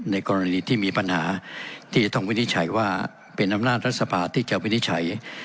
ในกรณีที่มีปัญหาที่จะต้องวินิจฉัยว่าเป็นอำนาจรัฐสภาที่จะวินิจฉัย